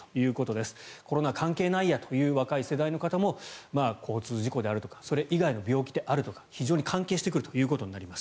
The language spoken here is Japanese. コロナ関係ないという若い世代の方も交通事故であるとかそれ以外の病気とか非常に関係してくるということになります。